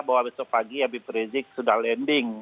bahwa besok pagi habib rizik sudah landing